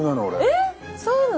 えっそうなの？